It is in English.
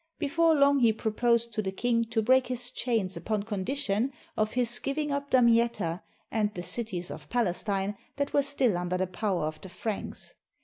Before long he proposed to the king to break his chains upon condition of his giving up Damietta and the cities of Palestine that were still under the power of the Franks.